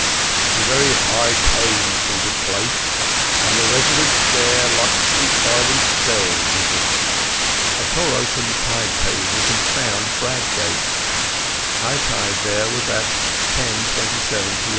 It's a very high toned sort of place, and the residents there like to keep by themselves." I tore open the Tide Tables and found Bradgate. High tide there was at 10.27 p.